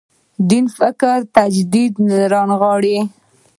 دیني فکر تجدید رانغاړي.